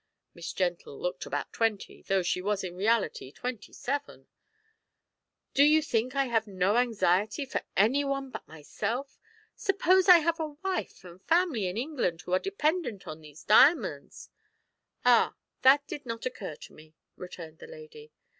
(Miss Gentle looked about twenty, though she was in reality twenty seven!) Do you think I have no anxiety for any one but myself? Suppose I have a wife and family in England who are dependent on these diamonds." "Ah! that did not occur to me," returned the lady.